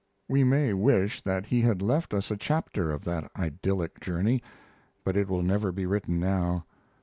We may wish that he had left us a chapter of that idyllic journey, but it will never be written now.